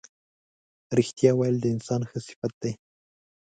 رښتیا ویل د انسان ښه صفت دی.